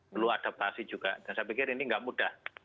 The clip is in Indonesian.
perlu adaptasi juga dan saya pikir ini tidak mudah